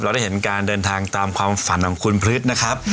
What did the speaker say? ได้เห็นการเดินทางตามความฝันของคุณพฤษนะครับ